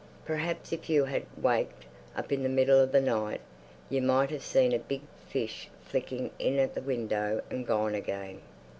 Perhaps if you had waked up in the middle of the night you might have seen a big fish flicking in at the window and gone again....